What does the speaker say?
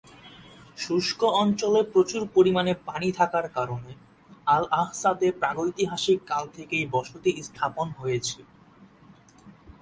শুষ্ক অঞ্চলে প্রচুর পরিমাণে পানি থাকার কারণে আল-আহসাতে প্রাগৈতিহাসিক কাল থেকেই বসতি স্থাপন হয়েছে।